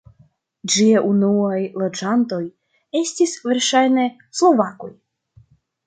Ĝia unuaj loĝantoj estis verŝajne slovakoj.